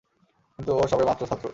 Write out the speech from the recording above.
কিন্তু ও সবে মাত্র ছাত্র।